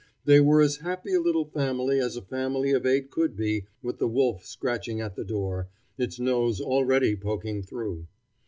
They were as happy a little family as a family of eight could be with the wolf scratching at the door, its nose already poking through.